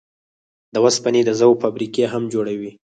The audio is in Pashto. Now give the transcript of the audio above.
د اوسپنې د ذوب فابريکې هم جوړوي.